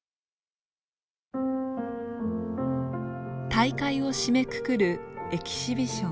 大会を締めくくるエキシビション。